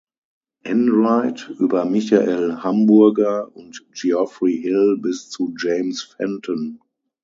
Enright über Michael Hamburger und Geoffrey Hill bis zu James Fenton.